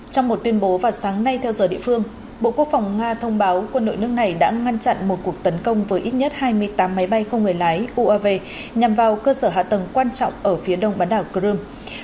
trong một tuyên bố vào sáng nay theo giờ địa phương bộ quốc phòng nga thông báo quân đội nước này đã ngăn chặn một cuộc tấn công với ít nhất hai mươi tám máy bay không người lái uav nhằm vào cơ sở hạ tầng quan trọng ở phía đông bán đảo crimea